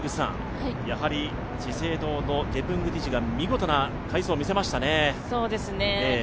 資生堂のジェプングティチが見事な快走を見せましたね。